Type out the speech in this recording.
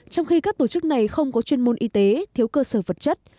trong khi các tổ chức này không có chuyên môn y tế thiếu cơ sở vật chất